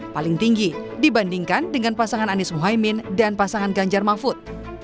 paling tinggi dibandingkan dengan pasangan anies muhaymin dan pasangan ganjar mahfud